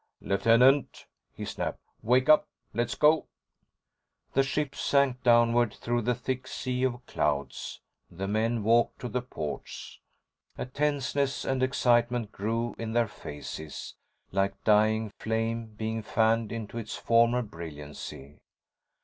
"Lieutenant!" he snapped. "Wake up. Let's go!" The ship sank downward through the thick sea of clouds. The men walked to the ports. A tenseness, an excitement grew in their faces, like dying flame being fanned into its former brilliancy.